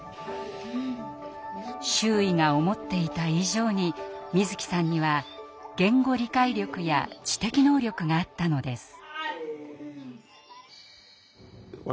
周囲が思っていた以上にみづきさんには言語理解力や知的能力があったのです。